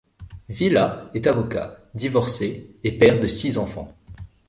Vila est avocat, divorcé et père de six enfants.